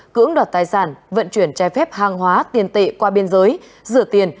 cưỡng đoạt tài sản vận chuyển trái phép hàng hóa tiền tệ qua biên giới rửa tiền